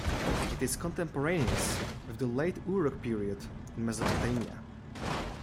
It is contemporaneous with the late Uruk period in Mesopotamia.